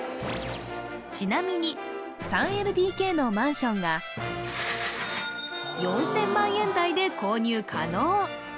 ちなみに３ＬＤＫのマンションが４０００万円台で購入可能